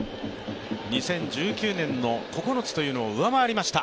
２０１９年の９つというのを上回りました。